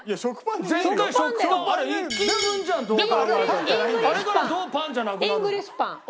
あれからどうパンじゃなくなるの？